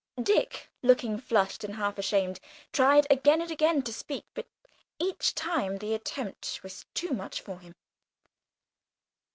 Dick, looking flushed and half ashamed, tried again and again to speak, but each time the attempt was too much for him.